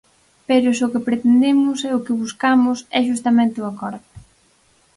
¡Pero se o que pretendemos e o que buscamos é xustamente o acordo!